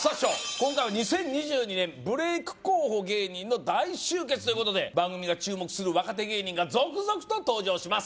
今回は２０２２年ブレイク候補芸人の大集結ということで番組が注目する若手芸人が続々と登場します